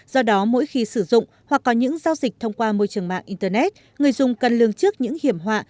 do đó mỗi khi sử dụng hoặc có những giao dịch thông qua môi trường mạng internet người dùng cần lương trước những hiểm họa